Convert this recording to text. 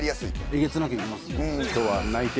えげつなくいけますよね。